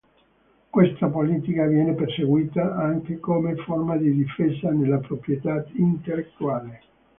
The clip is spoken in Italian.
Questa politica viene perseguita anche come forma di difesa della proprietà intellettuale.